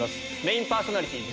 メインパーソナリティー